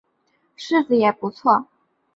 柿子也不错